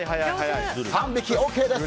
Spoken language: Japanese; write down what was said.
３匹、ＯＫです。